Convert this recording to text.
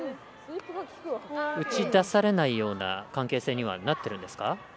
打ち出されないような関係性にはなっているんですか？